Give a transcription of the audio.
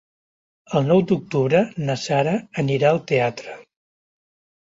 El nou d'octubre na Sara anirà al teatre.